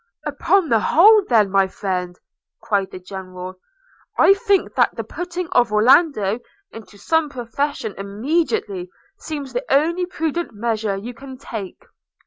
'Upon the whole, then, my friend,' cried the General, 'I think that the putting of Orlando into some profession immediately seems the only prudent measure you can take.